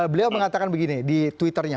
beliau mengatakan begini di twitter nya